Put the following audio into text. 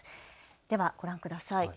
ではご覧ください。